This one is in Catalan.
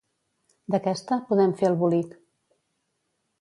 D'aquesta, podem fer el bolic.